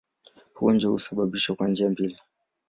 Ugonjwa huu husababishwa kwa njia mbili.